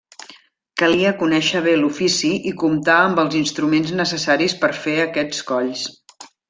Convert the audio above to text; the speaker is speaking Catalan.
Calia conèixer bé l'ofici i comptar amb els instruments necessaris per fer aquests colls.